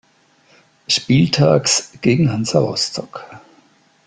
Spieltags gegen Hansa Rostock.